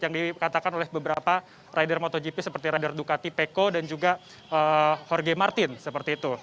seperti rider motogp seperti rider ducati peco dan juga jorge martin seperti itu